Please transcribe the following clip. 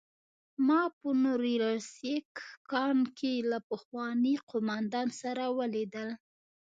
ما په نوریلیسک کان کې له پخواني قومندان سره ولیدل